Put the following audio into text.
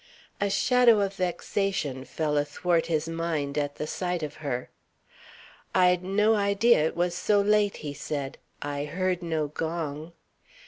A shadow of vexation fell athwart his mind at the sight of her. "I'd no idea it was so late," he said. "I heard no gong."